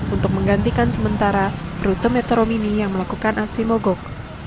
untuk menggantikan sementara rute metro mini yang melakukan aksi mogok